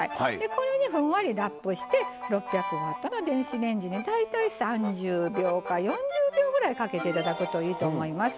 これに、ふんわりラップして６００ワットの電子レンジに大体３０秒か４０秒ぐらいかけていただくといいと思います。